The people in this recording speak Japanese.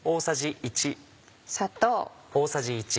砂糖。